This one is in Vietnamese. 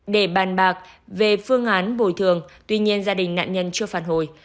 để bàn bạc về phương án bồi thường tuy nhiên gia đình nạn nhân chưa phản hồi